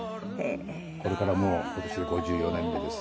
これからもう今年で５４年目です。